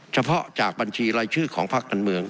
เฉพาะจากบัญชีรายชื่อของภาคการเมือง